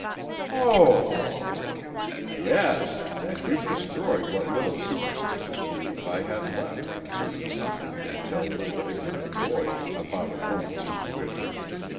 "Oh!" "Yes. And you've destroyed what little superstitious belief I had left concerning something they tell little ignorant boys about a woman's intuition.